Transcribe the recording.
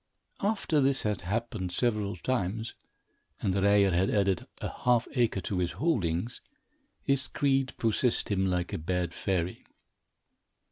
After this had happened several times, and Ryer had added a half acre to his holdings, his greed possessed him like a bad fairy.